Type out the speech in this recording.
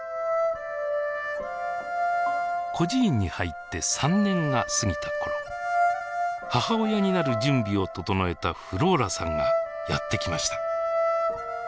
孤児院に入って３年が過ぎた頃母親になる準備を整えたフローラさんがやって来ました。